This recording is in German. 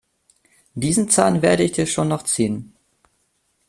Diesen Zahn werde ich dir schon noch ziehen.